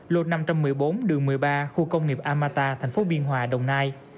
lột năm trăm một mươi bốn đường một mươi ba khu công nghiệp amata tp biên hòa đồng nai